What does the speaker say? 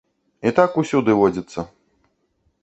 І так усюды водзіцца.